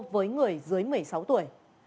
với người dưới một mươi sáu tuổi